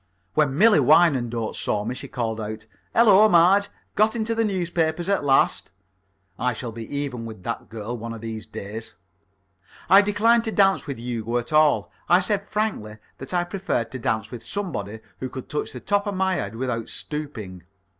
When Millie Wyandotte saw me, she called out: "Hello, Marge! Got into the newspapers at last?" I shall be even with that girl one of these days. I declined to dance with Hugo at all. I said frankly that I preferred to dance with somebody who could touch the top of my head without stooping.